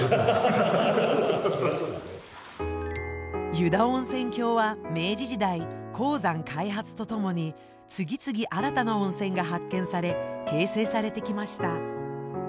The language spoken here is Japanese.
湯田温泉峡は明治時代鉱山開発とともに次々新たな温泉が発見され形成されてきました。